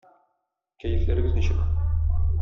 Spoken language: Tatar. Кәефләрегез ничек?